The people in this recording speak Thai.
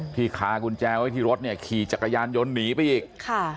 คากุญแจไว้ที่รถเนี่ยขี่จักรยานยนต์หนีไปอีกค่ะ